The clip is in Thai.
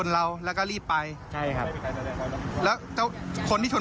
เราก็ต้องรอ